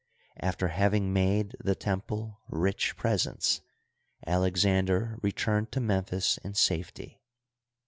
After having made the temple rich presents, Alexander returned to Memphis in safety.